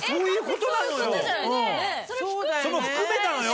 それも含めたのよ。